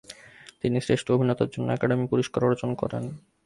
তিনি শ্রেষ্ঠ অভিনেতার জন্য একাডেমি পুরস্কার অর্জন করেন।